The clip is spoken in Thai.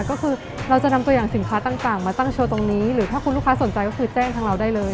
ก็คือเราจะนำตัวอย่างสินค้าต่างมาตั้งโชว์ตรงนี้หรือถ้าคุณลูกค้าสนใจก็คือแจ้งทางเราได้เลย